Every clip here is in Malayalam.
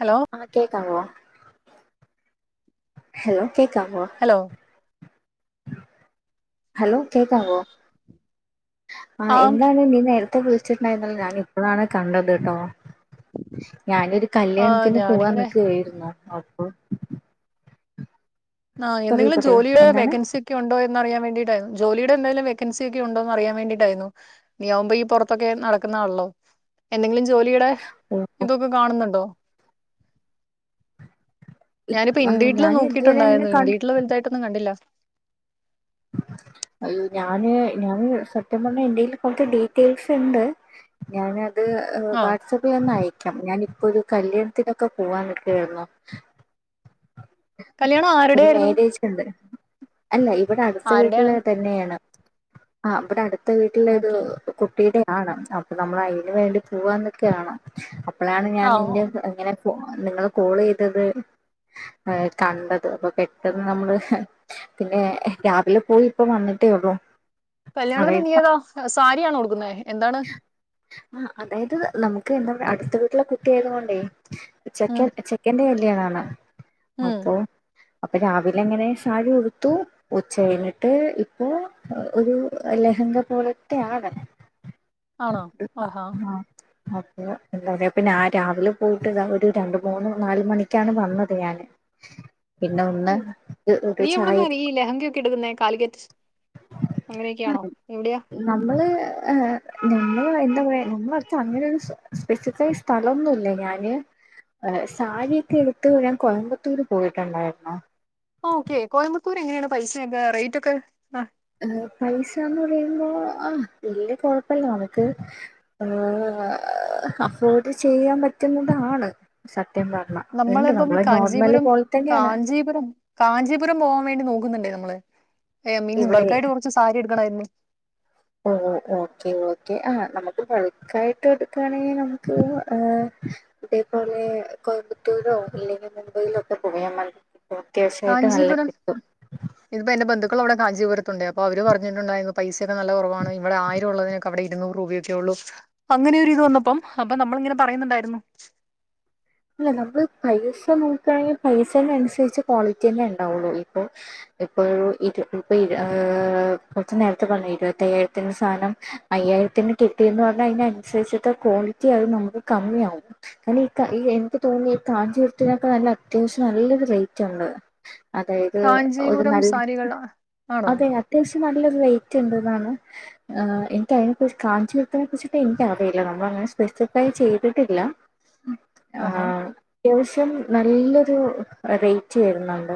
ഹലോ ആഹ് കേൾക്കാവോ ഹലോ കേൾക്കാവോ? ഹലോ ഹലോ കേൾക്കാവോ? ആ ആം എന്താണ് നീ നേര് ത്തെ വിളിച്ചിട്ടുണ്ടായിരുന്നല്ലോ ഞാനിപ്പളാണ് കണ്ടത്ട്ടോ. ഞാനൊരു ആ കല്യാണത്തിന് ഞാനിങ്ങനെ പോവാന്നിക്കയിരുന്നു. അപ്പൊ ആഹ് പറയൂ എന്തെങ്കിലു പറയൂ ജോലിയില് എന്താണ് വേക്കൻസി ക്കൊയുണ്ടോ എന്നറിയാൻ വേണ്ടിയിട്ടായിരുന്നു. ജോലിയുടെ എന്തായാലും വേക്കൻസിയൊക്കെണ്ടോന്നറിയാൻ വേണ്ടിയിട്ടായിരുന്നു. നീയാവുമ്പോ ഈ പൊറ്ത്തൊക്കെ നടക്കുന്നാണല്ലോ. എന്തെങ്കിലു ജോലീടെ ഓ, ഇതൊക്കെ കാണുന്നുണ്ടോ? ഇ- ഞാനിപ്പോ ആ, ഇൻ്റീടില് ഞാൻ ഇതുവരെ അങ്ങനെ നോക്കിയിട്ടുണ്ടായിരുന്നു. ക ഇൻ്റീട്ല് വലുതായിട്ടൊന്നും കണ്ടില്ല. അയ്യോ ഞാന് ഞാന് സത്യം പറഞ്ഞ എന്റെൽ കൊറ്ച്ച് ഡീറ്റെയിൽസ്ണ്ട്. ഞാന് അത് ആ വാട്സആപ്പിലൊന്നയക്കാം ഞാനിപ്പൊരു കല്യാണത്തിനൊക്കെ പോവാൻ നിക്കാര്ന്നു. കല്യാണം ഒരു ആരുടെയായിരുന്നു മേര്യേജുണ്ട്. അല്ല ഇവിടെ അടുത്ത് ആരുടെയാണ് വീട്ടില് തന്നെയാണ്. ആഹ് ഇവിടെ അടുത്ത വീട്ടിലൊരു ഓക്കെ കുട്ടീടെ ആണ് അപ്പൊ നമ്മൾ അയിന് വേണ്ടി പോവാന്നിക്ക ആണ്. അപ്പളാണ് ഞാൻ ആ ഓ. നിന്റെ ത് ഇങ്ങനെ കോ നിങ്ങള് കോളെയ്തത്. ഏഹ് കണ്ടത് അപ്പൊ പെട്ടെന്ന് നമ്മള് പിന്നെ രാവിലെ പോയി ഇപ്പ വന്നിട്ടേ ഉള്ളൂ കല്യാണത്തിന് അതായത് നീയേതാ സാരിയാണ് ഉടുക്കുന്നേ എന്താണ്? ആഹ് അതായത് നമുക്ക് എന്താപ അടുത്ത വീട്ടിലെ കുട്ടിയായത് കൊണ്ടേ ഉം ചെക്കൻ ചെ ക്കന്റെ കല്യാണാണ് ഉം അപ്പൊ അപ്പൊ രാവിലങ്ങനെ സാരി ഉടുത്തു. ഉച്ച കഴിഞ്ഞിട്ട് ഇപ്പൊ ഒരു ലഹങ്ക പോലത്തെ ആണ്. ആണോ ആഹാ ആഹ് അപ്പൊ എന്താ പറയാ പിന്നെ ആ രാവിലെ പോയിട്ട്താ ഒര് രണ്ട് മൂന്ന് നാല് മണിക്കാണ് വന്നത് ഞാന്. പിന്നെ ഒന്ന് ഉം ഒരു നീ ചായ ഇവിടുന്നറീല ഈ ലഹങ്കൊക്കെ എടുക്കുന്ന കാലിക്കറ്റ് അങ്ങനെയൊക്കെയാണോ എവിടെയാ? നമ്മള് ഏഹ് നമ്മള് എന്താ പറയാ നമ്മളടുത്ത് അങ്ങനെ ഒരു സ്പെസിഫൈ സ്ഥലൊന്നുല്ല. ഞാന് അ സാരിഒക്കെ ഇടുത്ത് ഞാൻ കോയമ്പത്തൂര് പോയിട്ടുണ്ടായിരുന്നു. ഓക്കെ കോയമ്പത്തൂർ എങ്ങനെയാണ് പൈസെക്കെ റേയ്റ്റൊക്കെ? അഹ് പൈസാന്ന് പറയുമ്പോ ആഹ് വല്യ കൊഴപ്പല്ല നമക്ക് അഫോട് ചെയ്യാ പറ്റുന്നതാണ്. സത്യം പർണാ.. നമ്മളെപ്പം കാഞ്ചീപുരം.. കാഞ്ചീപുരം.. കാഞ്ചീപുരം പോവാൻ വേണ്ടി. നോക്കുന്നുണ്ടേ നമ്മള്. ഏഹ് മീൻ ഇവിടെ ബൾക്കായിട്ട് കൊറച്ച് സാരി എട്ക്കണയിര്ന്നു.. ഓ ഓക്കേ ഓക്കേ ആഹ് നമക്ക്. ബൾക്കായിട്ട്ടുക്കയാണെങ്കി. നമുക്ക് ഹ്ഹേ.. ഇതേപോലെ കോയമ്പത്തൂരോ. ഇല്ലെങ്കിൽ മുംബൈയിലോക്കെ. പോയാമ ക്കാഞ്ചിപുരം. ഇതിപ്പോ എന്റെ ബന്ധുക്കൾ അവിടെ ക്കാഞ്ചപുരത്തുണ്ട്. അപ്പോ അവര് പറഞ്ഞിട്ടുണ്ടെ പൈസക്കെ നല്ല കൊറവാണ് ഇവിടെ ആയിരം ഉള്ളതിനേക്ക.. അവിടെ ഇരുന്നൂറ് രൂപയൊക്കെള്ളു. അങ്ങനെരിത് വന്നപ്പം. അപ്പനമ്മള് ങ്ങനെ പറയുന്നുണ്ടായിരുന്നു. ഇല്ല നമ്മള് പൈസ നോക്ണെങ്കി. പൈസന അനുസരിച്ച്. ക്വാളിറ്റിന്നെ ണ്ടാവുള്ളു ഇപ്പൊ. ഇപ്പൊരു. ഇരു. ഇപ്പൊ ഹ്ഹ്. കൊറച്ചു നേരത്തെ പറഞ്ഞു ഇരുപത്തയ്യായിരത്തിന്റെ സാനം.. അയ്യായിരത്തിന് കിട്ടിയെന്ന് പറഞ്ഞാ. അയിനനുസരിച്ചട്ട. ക്വാളിറ്റി അഹ്. നമുക്ക് കമ്മിയാവും. അയിനിക ഈ എനിക്ക് തോന്നി. കാഞ്ചീത്തിനൊക്കെ നല്ല അത്യാശ്യം നല്ലൊരു റൈറ്റ്ണ്ട്.. അതെയത് ഒരു കാഞ്ചീപുരം നല്ല. സാരികൾ ആണോ അതെ അത്യാശ്യം നല്ലൊരു റൈറ്റ് ണ്ട്ന്നാണ്.. ഹ്. എനിക്ക് അയിനെ കുറിച്ച്. കാഞ്ചു വര്ത്തിനെ കുറിച്ചിട്ട് എനിക്കറിയില്ല. നമ്മളങ്ങനെ. സ്പെസിഫൈ. ചെയ്തിട്ടില്ല.. ആഹാ.. ആഹ് അത്യാവശ്യം നല്ലൊരു റൈറ്റി വരുന്നുണ്ട്.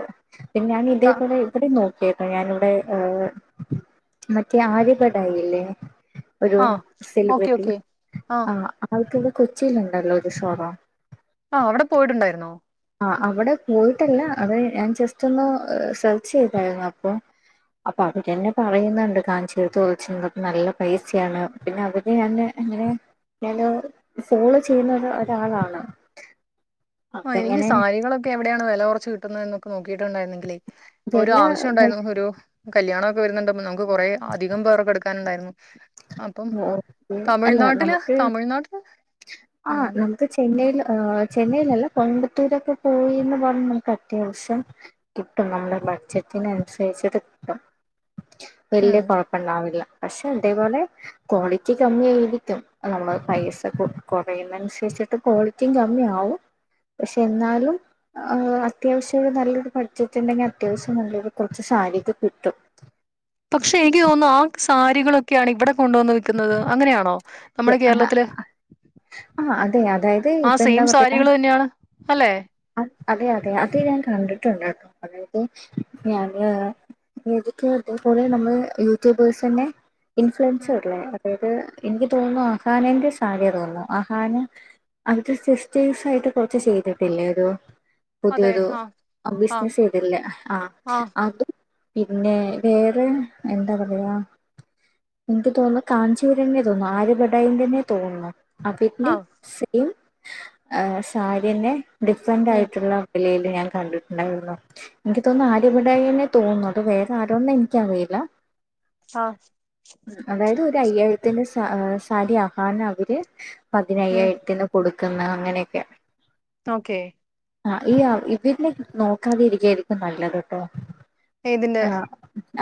പിന്ന ക- ഞാനിതേപോലെ... വിടിം നോക്കിയട്ടോ ഞാനിവിടെ ഏഹ് മറ്റേ ആര്യ ബഡായില്ലേ ഒരു ആ ഓക്കെ സെലിബ്രിറ്റി ഓക്കെ ആ ആഹ് അവുക്കത് കൊച്ചിലുണ്ടല്ലോരു സൊറ. ആഹ് അവിടെ പോയിട്ടുണ്ടായിരുന്നോ.. ആഹ് അവിടെ പോയിട്ടല്ല അതെ ഞാൻ ജസ്റ്റ് ഒന്ന് സെർച്ച് ചെയ്തായിരുന്നു അപ്പൊ. അപ്പൊ അവര്ന്നെ പറയുന്നുണ്ട്. കാഞ്ചിരത്ത് ഓയ്ച്ച നല്ല പൈസയാണ് പിന്നെ അവര് എന്നെ ഇങ്ങനെ എന്നെ ഫോളോ ചെയ്യുന്ന ഒരു ഒരാളാണ്. അപ്പ ആഹ് എനിക്ക് ഇങ്ങനെ സാരികളൊക്കെ എവിടെയാണ്‌ വെല കൊറച്ച് കിട്ടുന്നത് എന്നൊക്ക നോക്കിയിട്ട് ഉണ്ടായിരുന്നങ്കിലെ. ഒര് വില ആവശ്യണ്ടായിരുന്നു ഒരു കല്യാണക്കെ വരുന്നുണ്ട് നമുക്ക് കൊറെ അധികം പേർക്കെടുക്കാനുണ്ടായിരുന്നു. അപ്പം ഓക്കെ അല്ല തമിഴ്നാട്ടില് നമുക്ക് തമിഴ്നാട്ടില് ഉം ഇപ്പൊ ചെന്നൈയിൽ ഏഹ് ചെന്നൈയിലല്ല കോയമ്പത്തൂരൊക്കെ പോയിന്ന് പറഞ്ഞ നമുക്കത്യാവശ്യം. കിട്ടും നമ്മുടെ ബഡ്ജറ്റിനനുസരിച്ചിട്ട് കിട്ടും. വല്യ ഉം കൊഴപ്പണ്ടാവില്ല പഷേ ഇതേപോലെ. ക്വാളിറ്റി കമ്മിയായിരിക്കും. നമ്മള് പൈസ കൊറയുന്നനുസരിച്ചിട്ട് ക്വാളിറ്റി കമ്മിയാവും. പഷേ എന്നാലും. ഏഹ് അത്യാവശ്യം നല്ലൊരു ബഡ്ജറ്റ് ണ്ടെങ്കി. അത്യാവശ്യം നല്ലൊരു കൊറച്ച് സാരിക്കെ കിട്ടും. പക്ഷെ എനിക്ക് തോന്നുന്നു ആ സാരികളൊക്കെയാണ് ഇവിടെ കൊണ്ടുവന്ന് വിക്കുന്നത്. അങ്ങനെയാണോ. നമ്മുടെ അഹാ കേരളത്തില് ആഹ് അതെ അതായത് ആ ഇപ്പൊ സെയിം സാരികൾ തന്നെണ് അല്ലെ. അത് അതെ അതെ അത് ഞാൻ കണ്ടിട്ടുണ്ട് ട്ടോ അതായത് ഞാന്. എതൊക്ക ഇതേപോലെ നമ്മള് യൂട്യൂബേഴ്ന്നെ ഇൻഫ്ലുവൻസ് ഉം വരില്ലേ അതായത് എനിക്ക് തോന്നുന്നു ആഹാനന്റെ സാര്യ തോന്നുന്നു ആഹാന അത് സിസ്റ്റേഴ്സ് ആയിട്ട് കൊറച്ച് ചെയ്തിട്ടില്ലേ. രു അതെ പുതിയൊരു ആ ആ ബിസിനസ് ചെയ്തില്ലേ ആ അതും. പിന്നെ വേറെ എന്താ പറയാ. എനിക്ക് തോന്നു കാഞ്ചീപുരന്നെ തോന്നുന്നു ആര്യബടായിന്റെന്നെ തോന്നുന്നു അതിന്റെ ആ സെയിം ഏഹ് സാരിന്നെ ഡിഫറന്റ് ഉം ആയിട്ടുള്ള ഇലേല് ഞാൻ കണ്ടിട്ട്ണ്ടായിര്ന്നു. എനിക്ക് തോന്നു ആര്യബടായിന്നെ തോന്നു. അത് വേറെ ആരൊന്നു എനിക്കറീലാ.. ആഹ് അതായത് ഒരു അയ്യായിരത്തിന്റെ സാരി ആഹാന. അവര് ഉം പതിനയ്യായിരത്തിന് കൊട് ക്ന്ന അങ്ങനെയൊക്കെ. ഓക്കേ. ആഹ് ഈ ഇവരിനേ. നോക്കാതെരിക്കായിരിക്കു. നല്ലത്ട്ടോ ഇതിന്റെ ആഹ്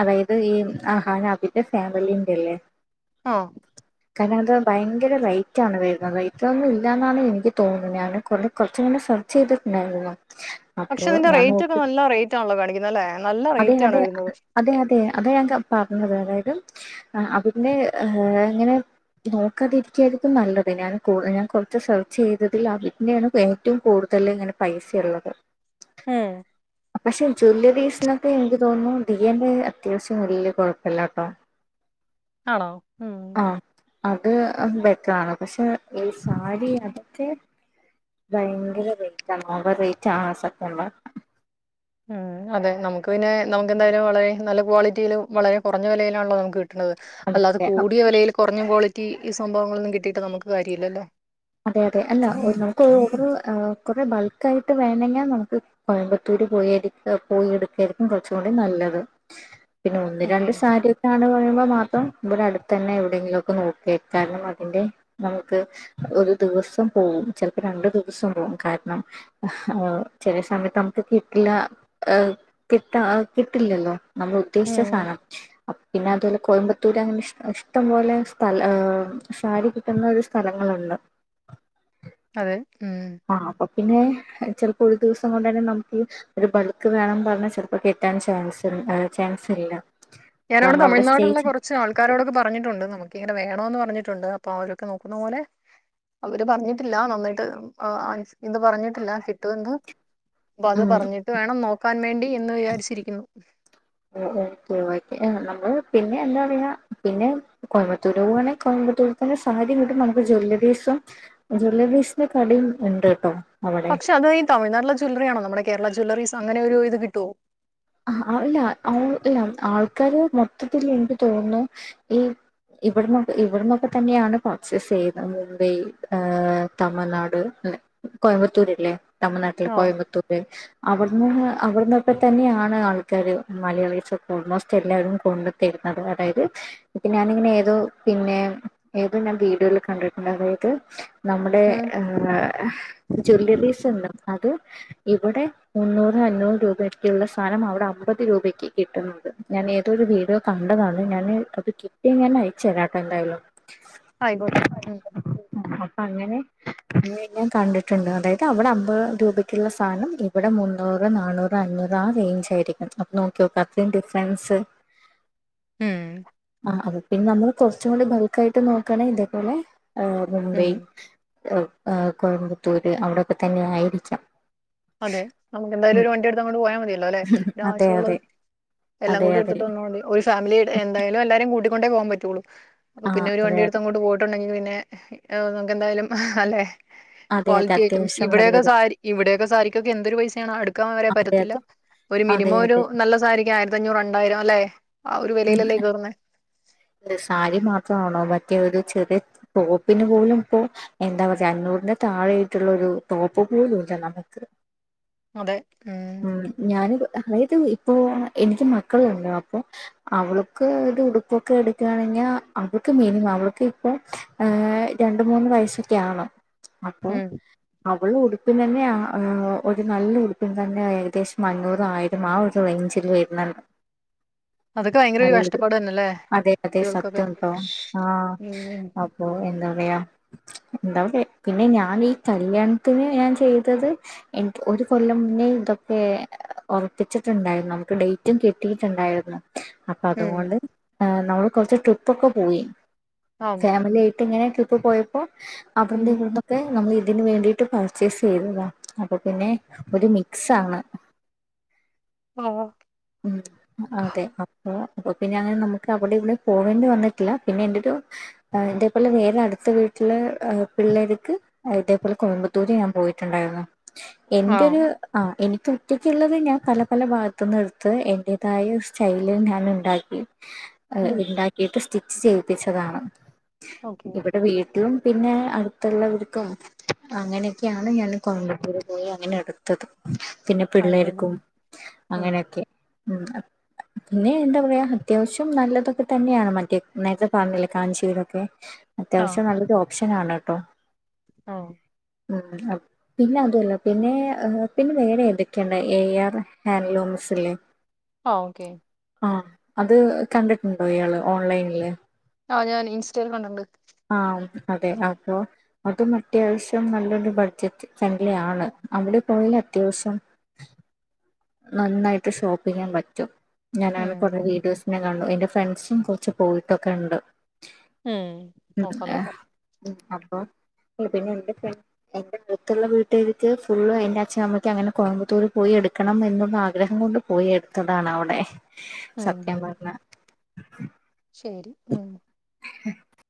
അതായത് ഈ അഹാനാ അഭിന്റെ ഫാമിലിന്റെല്ലേ ആഹ്‌ കാര്ണം അത് ഭയങ്കര റൈറ്റാണ് വരുന്നത് ഇതൊന്നും ഇല്ല എന്നാണ് എനിക്ക് തോന്നുന്നത് ഞാൻ കൊർ കൊർച് മുന്നെ സെർ ചെയ്തിട്ട്ണ്ടായിരുന്നു പക്ഷെ ഇതിന്റെ റൈറ്റ് ഒക്കെ നല്ല റേറ്റ് ആണല്ലോ കാണിക്കുന്നത് അല്ലെ നല്ല അതെ റേറ്റ് ആണ് അതെ വരുന്നത് അതെ അതെ അതാ ഞാൻ ക പർഞ്ഞത് അതായത് അതിന്റെ ഇങ്ങനെ നോക്കതിരിക്കായിരിക്കും നല്ലത് ഞാൻ കൊർ ഞാൻ കൊറച്ച് സെർച്ച് ചെയ്തതിൽ ആ വിറ്റ്ഞ്ഞേണ് ഏറ്റവും കൂട് തല് ങ്ങനെ പൈസ ഉള്ളത് ഉം പക്ഷെ ജ്വല്ലറീസിനൊക്കെ എനിക്ക് തോന്നുന്നു ദിയന്റെ അത്യാവശ്യം വല്യ കൊഴ്പ്പല്ല ട്ടോ ആണോ ഉം അത് ബെറ്റ്റാണ് പക്ഷെ ഈ സാരി അതൊക്കെ വയങ്കര റേറ്റ് ആണ് ഓവർ റേറ്റ് ആണ് സക്കന് റ്റ ഉം അതെ നമുക്ക് പിന്നെ നമുക്കെന്തായാലും വളരെ നല്ല ക്വാളിറ്റിയിലും വളരെ കുറഞ്ഞ വെലയിലാണല്ലോ നമുക്ക് കി ട്ട്ണത് അല്ലാതെ അതൊക്കെ കൂടിയ വിലയില് കൊർഞ്ഞ ക്വാളിറ്റി ഈ സംഭവങ്ങളൊന്നും കിട്ടിട്ട് നുമുക്ക് കാര്യല്ലല്ലോ അതെ അതെ അല്ല ഓഹ് നമുക്ക് ഓഹ് ഒരു കൊറെ ബൾക്ക് ആയിട്ട് വേണങ്ങേ നോക്ക് കോയമ്പത്തൂര് പോയി എട്ക്ക പോയി എടുക്കായിരിക്കും കൊറ്ച്ചൂടി നല്ലത് പിന്നെ ഒന്ന് ഓക്കെ. രണ്ട് സാര് താണ് പറിമ്പോ മാത്രം ഇബടെ അടുത്തെന്നെ എവിടെയെങ്കിലൊക്കെ നോക്കയ്ക്കാരം അതിന്റെ നമുക്ക് ഒരു ദ് വസം പോവും ചെൽപ്പം രണ്ട് ദ് വസം പോവും കാര്ണം ചെലേ സമത്ത് നമ്ക്ക് കിട്ടില്ലഏഹ് കിട്ട കിട്ടില്ലല്ലോ നമ്മൾ ഉദ്ദേശിച്ച ഉം. സാനം പിന്നെ അതു കോയമ്പത്തൂരങ്ങനെ ഷ് ഇഷ്ടംപോലെ സ്ഥല ഏഹ് സാരി കിട്ടുന്ന ഒരു സ്ഥലങ്ങളുണ്ട് അതെ ഉം ആഹ്‌ അപ്പൊ പിന്നെ ചെൽപ്പം ഒരു ദിവസം കൊണ്ട് തന്നെ നമ്ക്ക് ഒരു ബൾക്ക് വേണം പറഞ്ഞാ ചെൽപ്പം കിട്ടാൻ ചാൻസ് ചാൻസ് ഇല്ല ഞാനവ്ടെ നമ്മളവിടെ തമിഴ്നാട്ള്ള സ്റ്റേജ് കൊറ് ച്ചാൾക്കാരോടൊക്കെ പറഞ്ഞിട്ടുണ്ട് നമുക്ക്ങ്ങനെ വേണോന്ന് പറഞ്ഞിട്ടുണ്ട് അപ്പൊ അവരൊക്കെ നോക്കുന്ന പോലെ അവര് പറഞ്ഞിട്ടില്ല നന്നായിട്ട് ആഹ് ആഹ് ഇത് പറഞ്ഞിട്ടില്ല കിട്ടുന്ന് പ്പ അത് ഉം പറഞ്ഞിട്ട് വേണം നോക്കാൻ വേണ്ടി എന്ന് വിചാരിച്ചിരിക്കുന്നു ഉം ഉം ഒഴിവാക്കി ഏ നമ്മള് പിന്നെ എന്താ റിയാ പിന്നെ കോയമ്പത്തൂര് പോവാണെ കോമ്പത്തൂർ തന്നെ സാധ്യം കിട്ടും നമുക്ക് ജ്വല്ലറീസും ജ്വല്ലറീസിന്റെ കടീം ണ്ട് ട്ടോ പക്ഷെ അത് ഈ തമിഴ്നാടിലെ ജ്വല്ലറി ആണോ നമ്മുടെ കേരള ജ്വല്ലറീസ് അങ്ങനെ ഒരു ഇത് കിട്ടോ ആഹ്‌ അഹ്‌ ല്ല ഔ ല്ല ആൾക്കാര് മൊത്തത്തില് എനിക്ക് തോന്നുന്നു ഈ ഇവിട്ന്നൊ ഇവിട്ന്നൊക്കെ തന്നെയാണ് പർച്ചയ്സ് ചെയ്യുന്നത് മുംബൈ തമിഴ്നാട് ങ്ങനെ കോയമ്പത്തൂര്ല്ലേ തമിഴ്നാട്ടിൽ ആഹ്. കോയമ്പത്തൂര് അവിടുന്ന് അവിടുന്നൊക്കെ തന്നെയാ ണ് ആൾക്കാര് മലയാളി സൊക്കെ ഓൾമോസ്റ്റ് എല്ലാവരും കൊണ്ട് തരുന്നത് അതായത് പ്പിന്നെ ഞാനിങ്ങനെ ഏതോ പിന്നെ ഏതോ ഞാൻ വീടുകളിൽ കണ്ടിട്ടുണ്ട് അതായത് നമ്മടെ ഉം. ഏഹ ജ്വല്ലറീസ് ഉണ്ട് അത് ഇവിടെ മുന്നൂറ് അഞ്ഞൂറ് രൂപ ഒക്കെയുള്ള സാനം അവിടെ അമ്പത് രൂപയ്ക്ക് കിട്ടുന്ന്ണ്ട് ഞാൻ ഏതൊരു വീഡിയോ കണ്ടതാണ് ഞാന് അത് കി കിട്ടിയ ഞാൻ അയച്ചരാട്ടോ എന്തായാലും അയിക്കോട്ടെ ഉം ഉം അപ്പ അങ്ങനെ അങ്ങനെ കണ്ടിട്ടുണ്ട് അതായത് അവിടെ അമ്പത് രൂപയ്ക്കുള്ള സാനം ഇ ഇവടെ മുന്നൂറ് നാന്നൂറ് അഞ്ഞൂറ് ആഹ്‌ എയ്ഞ്ചായിരിക്കണം അപ്പ നോക്കിയോ ക്ക അത്രയും ഡിഫ്റൻസ് ഉം ആഹ് പിന്നെ നമ്മൾ കുറച്ചും കൂടി ബൾക്ക ആയിട്ട് നോക്കുകയാണെങ്കി ഇതേപോലെ ഹ് മുംബൈ ഉം ഹ് കോയമ്പത്തൂര് അവിടെക്കെ തന്നെ ആയിരിക്കാം അതെ നമുക്ക് എന്തായാലും ഉം. ഒരു വണ്ടി എടുത്ത് അങ്ങോണ്ട് പോയാ മതിയല്ലോല്ലേ അതെ ഒരുവാശ്യുള്ളത് അതെ എല്ലാം അതെ കൂടി അതെ എടുത്തിട്ട് വന്നോണ്ടി ഒരു ഫാമിലി എന്തായാലും എല്ലാരും കൂട്ടിക്കൊണ്ടേ പോവാ പറ്റയുള്ളൂ അപ്പ ആ പിന്നെ ഒരു അതെ വണ്ടി അടുത്ത് അതെ കൊണ്ട് പോയി ണ്ടെങ്കിൽ പിന്നെ നമുക്കെന്തായാലും അല്ലെ അതെ അതെ ക്വാളിറ്റി ഐറ്റംസ് അത്യാവശ്യം ഇവിടൊക്കെ നല്ലത് സാരി ഇവിടെയൊക്കെ സാരിക്കൊക്കെ എന്തൊരു പൈസയാണ് അടുക്കാൻ വരെ അതെ പറ്റത്തില്ല അതെ ഒരു അതെ മിനിമം ഒരു അതെ നല്ല സാരിക്ക് ആ അഞ്ഞൂറ് രണ്ടായിരം അല്ലെ ആഹ് ഒരു ഉം. വെലയിലല്ലേ കയറുന്നെ സാരി മാത്രമാണോ മറ്റേ ഒരു ചെറിയ ടോപ്പിന് പോലും ഇപ്പോ എന്താ പറയാ അഞ്ഞൂറിന്റെ താഴെ യായ്ട്ടുള്ള ഒരു ടോപ്പ് പോലൂല്ല നമ്മക്ക് അതെ ഉം ഞാന് അതായത് ഇപ്പൊ എനിക്ക് മക്കളുണ്ട് അപ്പൊ അവൾക്ക് ഒരു ഉടുപ്പൊക്കെ എടുക്കുകയാണെഞ്ഞാ അവൾക്ക് മിനിമം അവൾക്ക് ഇപ്പൊ ഏഹ് രണ്ട് മൂന്ന് വയസ്സൊക്കെയാണം അപ്പോ ഉം അവള് ഉടുപ്പിനെന്നെ ഏഹ് ഒരു നല്ല ഉടുപ്പിൻ തന്നെ ഏകദേശം അഞ്ഞൂറായിരം ആഹ് ഒരു റേഞ്ചിൽ വരുന്നുണ്ട് അതൊക്കെ ഭയങ്കര ഒരു നല്ലത് കഷ്ടപ്പാട് തന്നെയല്ലേ അതെ അതെ കുട്ടികൾക്കൊക്കെ സത്യം ആണ് ട്ടോ ആഹ് ഉം അപ്പോ എന്താ പറയാ എന്താട്ടെ പിന്നെ ഞാൻ ഈ കല്യാണത്തിന് ഞാൻ ചെയ്തത് എനിക്ക് ഒരു കൊല്ലം പിന്നെ ഇതൊക്കെ ഉറപ്പിച്ചിട്ടുണ്ടായിരുന്നു നമുക്ക് ഡേറ്റും കിട്ടിയിട്ടുണ്ടായിരുന്നു അപ്പൊ ഉം അതുകൊണ്ട് നമ്മള് കൊറച്ച് ട്രിപ്പൊക്കെ പോയി ആ ഫാമിലിയി ട്ട് ങ്ങനെ ട്രിപ്പ് പോയപ്പോ അവിട്ന്ന് ഉം ഇവിട്ന്ന് ക്കെ നമ്മൾ ഇതിന് വേണ്ടിയിട്ട് പർച്ചേസ് ചെയ്തതാ അപ്പൊ പിന്നെ ഒരു മിക്സ് ആണ് ആഹ് ഉം ഉം അതെ അപ്പൊ അപ്പ പിന്നെ അങ്ങനെ നമുക്ക് അവിടെ ഇവിടെ പോകേണ്ടി വന്നിട്ടില്ല പിന്നെ എന്റെരു ആഹ് ഇതുപോലെ വേറെ അടുത്ത വീട്ടിലെ പിള്ളേർക്ക് ഇതേപോലെ കോയമ്പത്തൂര് ഞാൻ പോയിട്ടുണ്ടായിരുന്നു ആ എന്റൊരു ആഹ് എനിക്ക് ഒറ്റയ്ക്കുള്ളത് ഞാൻ പല പല ഭാഗത്തു നിന്ന് എടു ത്ത് എന്റേതായ സ്റ്റൈല് ഞാൻ ഉണ്ടാക്കി ഉം ഉണ്ടാക്കിട്ട് സ്റ്റി ച്ച് ചെയ്യിപ്പിച്ചതാണ് ഓക്കെ ഇവിടെ വീട്ടിലും പിന്നെ അടുത്തുള്ളവർക്കും അങ്ങനെയൊക്കെയാണ് ഞാൻ കോയമ്പത്തൂര് പോയി അങ്ങനെ എടു ത്തത് പിന്നെ ആയിക്കോട്ടെ പിള്ളേർക്കും ഉം അങ്ങനെയൊക്കെ ഉം പിന്നെ എന്താ പറയാ അത്യാവശ്യം നല്ലതൊക്കെ തന്നെയാണ് മറ്റേ നേരത്തെ പറഞ്ഞില്ലേ കാഞ്ചീപുരൊക്കെ അത്യാവശ്യം നല്ലൊരു ഓപ്ഷനാണ് കേട്ടോ ഓഹ് ഉം ആഹ് പിന്നെ അതുല്ല പിന്നെ ഏഹ് പിന്നെ വേറെ ഏതൊക്കെയണ്ട് എ ആർ ഹാൻഡ്ലൂംസ് ല്ലെ ആഹ് ഓക്കേ ആഹ് അത് കണ്ടിട്ടുണ്ടോ ഇയാള് ഓൺലൈനില് ആഹ് ഞാൻ ഇൻസ്റ്റയിൽ കണ്ടിണ്ട് ആഹ് അതെ അപ്പോ അതും അത്യാവശ്യം നല്ലൊരു ബഡ്ജറ്റ് ഫ്രണ്ട്ലി ആണ് അവിടെ പോയൽ അത്യാവശ്യം നന്നായിട്ട് ഷോപ്പ് ചെയ്യാൻ പറ്റും ഉം ഞാനങ്ങനെ കുറെ നോ- വീഡിയോസിനെ ആഹ് എന്റെ ഫ്രണ്ട്സും കൊറച്ച് പോയിട്ടൊക്കെ ഉണ്ട് ഉം നോക്കാം ആഹ് നോക്കാം ഉം അപ്പോ പിന്നെ എന്തൊക്കാ എന്റെ അടുത്തുള്ള വീട്ടിലേക്ക് ഫുള്ള് എന്റെ അച്ഛൻ അമ്മക്കെ അങ്ങനെ കോയമ്പത്തൂര് പോയി എടു ക്കണം എന്നുള്ള ആഗ്രഹം കൊണ്ട് പോയി എടുത്തതാണ് അവിടെ സത്യം പറഞ്ഞ അങ്ങനെ ശരി ഉം ഉ